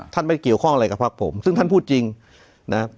ไม่เกี่ยวข้องอะไรกับพักผมซึ่งท่านพูดจริงนะครับ